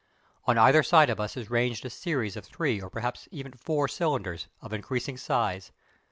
On either side of us is ranged a series of three or perhaps even four cylinders, of increasing size.